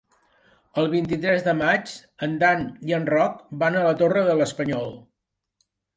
El vint-i-tres de maig en Dan i en Roc van a la Torre de l'Espanyol.